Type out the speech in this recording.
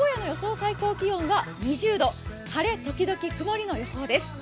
最高気温は２０度、晴れときどき曇りの予報です。